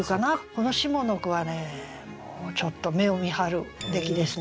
この下の句はねちょっと目をみはる出来ですね。